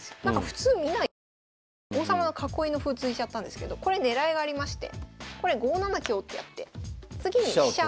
普通見ないような王様の囲いの歩突いちゃったんですけどこれ狙いがありましてこれ５七香ってやって次に飛車。